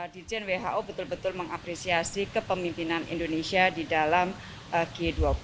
dirjen who betul betul mengapresiasi kepemimpinan indonesia di dalam g dua puluh